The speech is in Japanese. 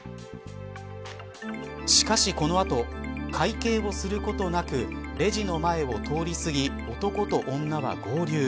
しかし、このあと会計をすることなくレジの前を通り過ぎ男と女は合流。